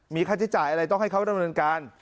มีค่าใช้จ่ายอะไรต้องให้เขาดำเนินการ